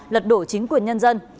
lật đổ chính quyền nhân dân